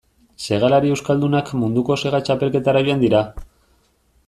Segalari euskaldunak munduko sega txapelketara joan dira.